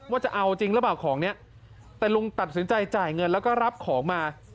ว่าจะเอาจริงหรือเปล่าของเนี้ยแต่ลุงตัดสินใจจ่ายเงินแล้วก็รับของมา